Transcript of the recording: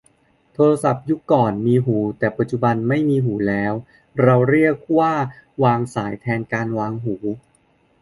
โทรศัพท์ยุคก่อนมีหู แต่ปัจจุบันไม่มีหูแล้ว เราเรียกว่าวางสายแทนวางหู